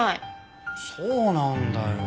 そうなんだよ。